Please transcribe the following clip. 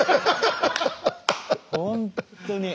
本当に。